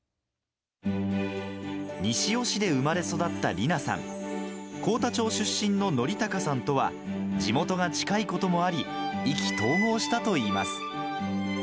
西尾市で生まれ育った莉菜さん、幸田町出身の憲孝さんとは地元が近いこともあり、意気投合したといいます。